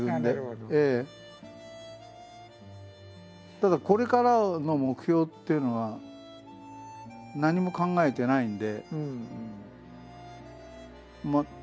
ただこれからの目標っていうのは何も考えてないんで。